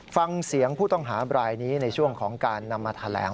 ฟังเสียงผู้ต้องหาบรายนี้ในช่วงของการนำมาแถลง